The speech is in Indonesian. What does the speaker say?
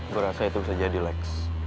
gue rasa itu bisa jadi lex